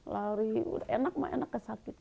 lari udah enak enak